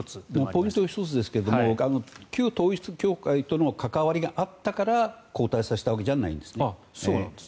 ポイントの１つですが旧統一教会との関わりがあったから交代させたわけじゃないんですね。